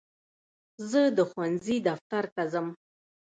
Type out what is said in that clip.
زه د ښوونځي دفتر ته ځم.